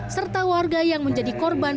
serta warga yang menjadi korban